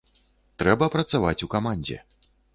Трэба працаваць у камандзе.